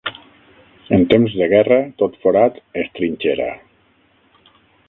En temps de guerra, tot forat és trinxera.